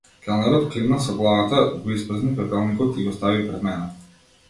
Келнерот климна со главата, го испразни пепелникот и го стави пред мене.